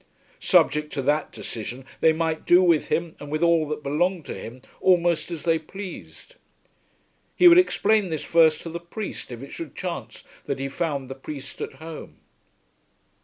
Subject to that decision they might do with him and with all that belonged to him almost as they pleased. He would explain this first to the priest if it should chance that he found the priest at home.